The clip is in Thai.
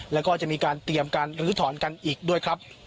แล้วก็จะมีการเตรียมการลื้อถอนกันอีกด้วยครับ